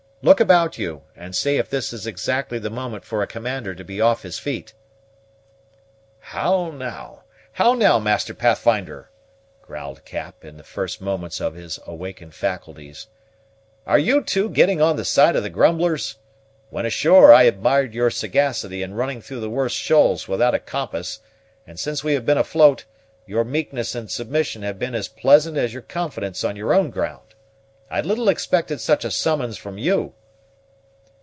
Look about you, and say if this is exactly the moment for a commander to be off his feet." "How now? how now, Master Pathfinder?" growled Cap, in the first moments of his awakened faculties. "Are you, too, getting on the side of the grumblers? When ashore I admired your sagacity in running through the worst shoals without a compass; and since we have been afloat, your meekness and submission have been as pleasant as your confidence on your own ground. I little expected such a summons from you."